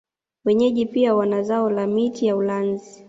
Wenyeji pia wana zao la miti ya ulanzi